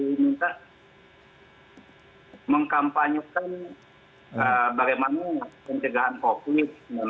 kalau misalnya diminta mengkampanyekan bagaimana pencegahan covid sembilan belas